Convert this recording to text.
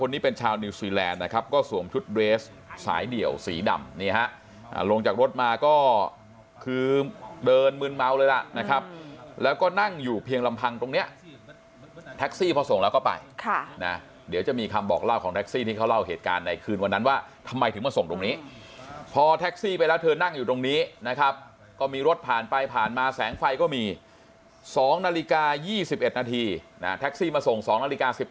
มื้นเมาส์เลยล่ะนะครับแล้วก็นั่งอยู่เพียงลำพังตรงเนี้ยแท็กซี่พอส่งแล้วก็ไปค่ะน่ะเดี๋ยวจะมีคำบอกเล่าของแท็กซี่ที่เขาเล่าเหตุการณ์ในคืนวันนั้นว่าทำไมถึงมาส่งตรงนี้พอแท็กซี่ไปแล้วเธอนั่งอยู่ตรงนี้นะครับก็มีรถผ่านไปผ่านมาแสงไฟก็มีสองนาฬิกายี่สิบเอ็ดนาทีน่ะแท็กซี่มาส่งส